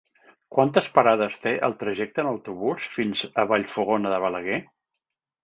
Quantes parades té el trajecte en autobús fins a Vallfogona de Balaguer?